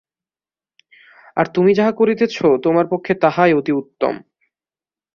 আর তুমি যাহা করিতেছ, তোমার পক্ষে তাহাই অতি ইত্তম।